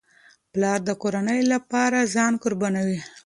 پلار د کورنۍ لپاره ځان قربانوي.